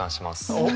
おっ！